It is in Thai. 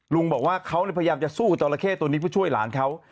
ลุงบอกว่าเขาพยายามจะสู้จราเข้ตัวนี้เพื่อช่วยหลานเขา